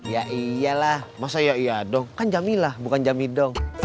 ya iyalah masa ya iya dong kan jamilah bukan jami dong